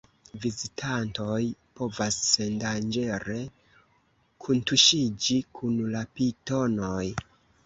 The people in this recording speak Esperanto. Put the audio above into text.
Vizitantoj povas sendanĝere kuntuŝiĝi kun la pitonoj.